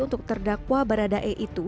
untuk terdakwa baradae itu